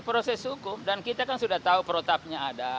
proses hukum dan kita kan sudah tahu protapnya ada